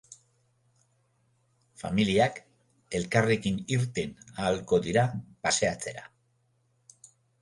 Familiak elkarrekin irten ahalko dira paseatzera.